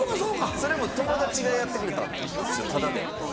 それも友達がやってくれたんですよタダで。